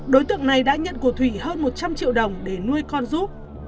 đối tượng này đã nhận của thủy hơn một trăm linh triệu đồng để nuôi con ruốc